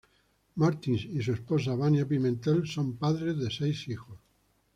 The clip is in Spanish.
Martins y su esposa, Vania Pimentel, son padres de seis hijos.